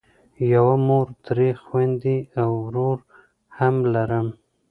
یوه مور درې خویندې او ورور هم لرم.